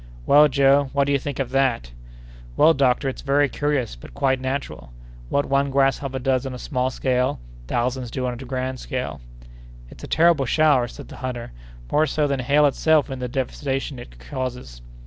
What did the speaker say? "Well, Joe, what do you think of that?" "Well, doctor, it's very curious, but quite natural. What one grasshopper does on a small scale, thousands do on a grand scale." "It's a terrible shower," said the hunter; "more so than hail itself in the devastation it causes."